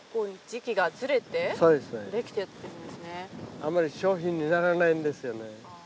あんまり商品にならないんですよね。